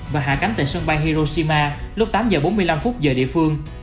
và hạ cánh tại sân bay hiroshima lúc tám giờ bốn mươi năm giờ địa phương